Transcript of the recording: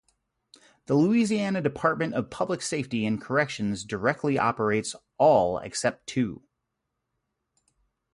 The Louisiana Department of Public Safety and Corrections directly operates all except two.